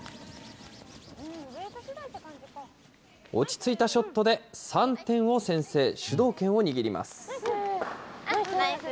落ち着いたショットで３点を先制、主導権を握ります。